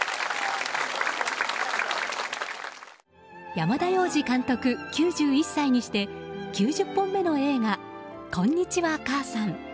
山田洋次監督、９１歳にして９０本目の映画「こんにちは、母さん」。